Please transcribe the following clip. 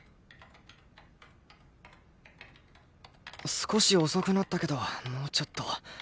少し遅くなったけどもうちょっと